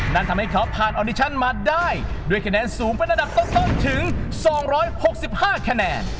นั่นทำให้เขาผ่านออดิชั่นมาได้ด้วยคะแนนสูงเป็นอันดับต้นถึง๒๖๕คะแนน